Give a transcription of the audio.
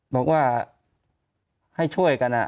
บอกว่าให้ช่วยกัน